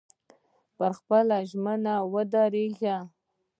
پر خپله ژمنه ودرېږئ.